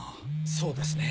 そうですね。